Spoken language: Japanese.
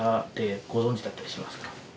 ご存じだったりしますか？